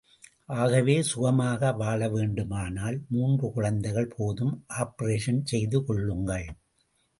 ஆகவே சுகமாக வாழவேண்டுமானால் மூன்று குழந்தைகள் போதும் ஆப்பரேஷன் செய்து கொள்ளுங்கள்.